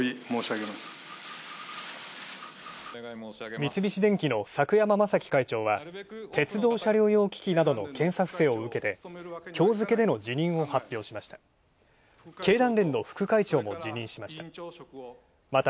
三菱電機の柵山正樹会長は鉄道車両用機器などの検査不正を受けてきょう付けでの辞任を発表しました。